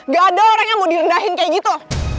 gak ada orang yang mau direndahin kayak gitu